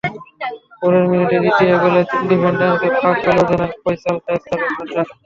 পরের মিনিটেই দ্বিতীয় গোল তিন ডিফেন্ডারের ফাঁক গলে অধিনায়ক ফয়সাল শায়েস্তের শটে।